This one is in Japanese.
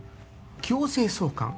強制送還。